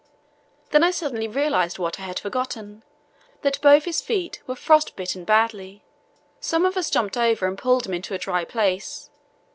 Then I suddenly realized what I had forgotten, that both his feet were frost bitten badly. Some of us jumped over and pulled him into a dry place.